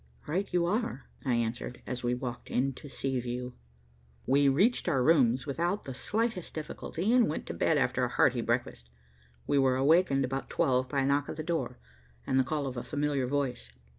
"Right you are," I answered, as we walked into Seaview. We reached our rooms without the slightest difficulty, and went to bed after a hearty breakfast. We were awakened about twelve by a knock at the door, and the call of a familiar voice.